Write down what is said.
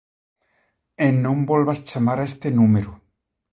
E non volvas chamar a este número.